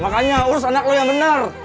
makanya urus anak lo yang benar